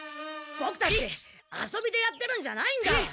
ボクたち遊びでやってるんじゃないんだ！